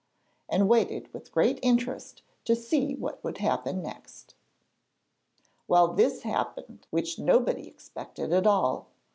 and waited with great interest to see what would happen next. Well, this happened which nobody expected at all.